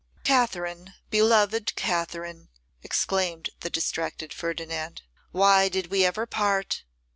'Katherine, beloved Katherine!' exclaimed the distracted Ferdinand, 'why did we ever part?